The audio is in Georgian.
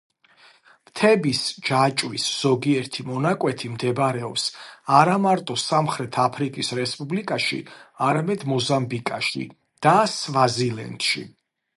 მთების ჯაჭვის ზოგიერთი მონაკვეთი მდებარეობს არა მარტო სამხრეთ აფრიკის რესპუბლიკაში, არამედ მოზამბიკში და სვაზილენდში.